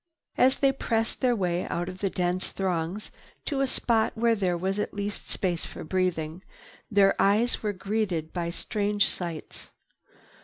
As they pressed their way out of the dense throngs to a spot where there was at least space for breathing, their eyes were greeted by strange sights.